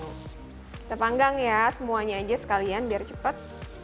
kita panggang ya semuanya aja sekalian biar cepat